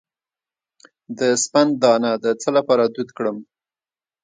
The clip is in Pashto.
د سپند دانه د څه لپاره دود کړم؟